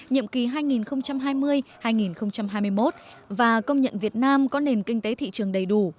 nhiệm kỳ hai nghìn hai mươi hai nghìn hai mươi một và công nhận việt nam có nền kinh tế thị trường đầy đủ